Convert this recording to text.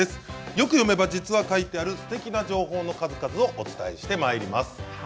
よく読めば実は書いてあるすてきな情報の数々をお伝えしてまいります。